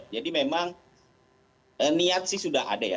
memang niat sih sudah ada ya